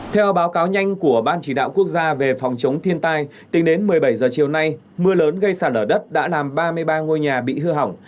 theo báo cáo nhanh của ban chỉ đạo quốc gia về phòng chống thiên tai tính đến một mươi bảy h chiều nay mưa lớn gây sạt lở đất đã làm ba mươi ba ngôi nhà bị hư hỏng